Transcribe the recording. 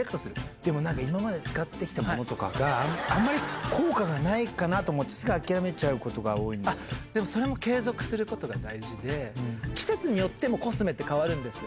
でもなんか今まで使ってきたものとかが、あんまり効果がないかなと思って、すぐ諦めちゃうこそれも継続することが大事で、季節によってもコスメって変わるんですよ。